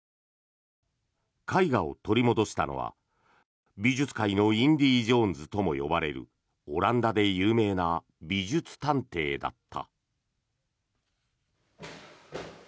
絵画を取り戻したのは美術界のインディ・ジョーンズとも呼ばれるオランダで有名な美術探偵だった。